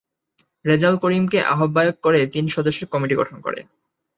রেজাউল করিমকে আহ্বায়ক করে তিন সদস্যের কমিটি গঠন করে।